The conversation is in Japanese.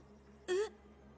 えっ？